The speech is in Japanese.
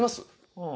うん。